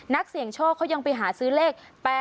นักเสี่ยงโชคเขายังไปหาซื้อเลข๘